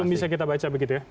yang bisa kita baca begitu ya